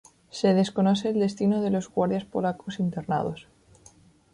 Se desconoce el destino de los guardias polacos internados.